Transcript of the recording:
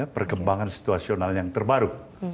perkembangan situasional yang terbaru